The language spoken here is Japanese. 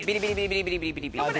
ビリビリビリビリペタッ。